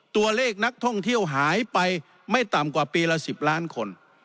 ตัวเลขนักท่องเที่ยวหายไปไม่ต่ำกว่าปีละ๑๐ล้านคน